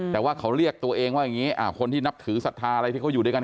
แต่ว่าเขาเรียกตัวเองว่าอย่างนี้คนที่นับถือศรัทธาอะไรที่เขาอยู่ด้วยกัน